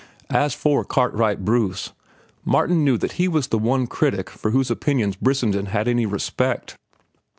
As for Cartwright Bruce, Martin knew that he was the one critic for whose opinions Brissenden had any respect.